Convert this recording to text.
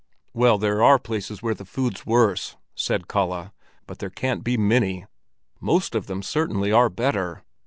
"Well, there are places where the food's worse," said Kalle, "but there can't be many. Most of them, certainly, are better."